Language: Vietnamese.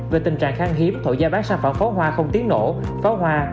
về tình trạng kháng hiếm thổ gia bán sản phẩm pháo hoa không tiến nổ pháo hoa